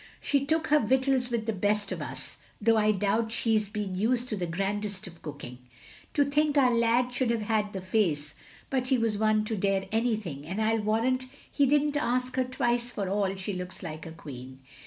"She took her vittles with the best of us, though I doubt she 's been used to the grandest of cooking. To think our lad should have had the face — ^but he was one to dare anything, and I '11 warrant he did n't ask her twice for all she looks like a queen.